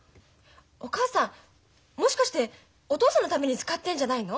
お母さんもしかしてお父さんのために使ってんじゃないの？